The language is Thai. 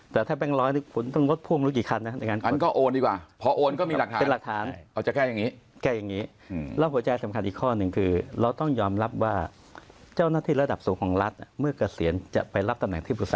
แต่ถ้าแบงค์ร้อยคุณต้องลดพ่วแบงค์กี่คันน่ะ